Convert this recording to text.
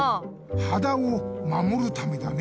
はだを守るためだね。